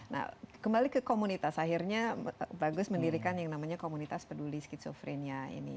nah kembali ke komunitas akhirnya bagus mendirikan yang namanya komunitas peduli skizofrenia ini